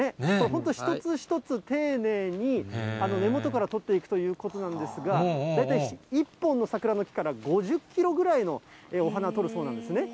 本当、一つ一つ丁寧に、根元から取っていくということなんですが、大体１本の桜の木から、５０キロぐらいのお花取るそうなんですね。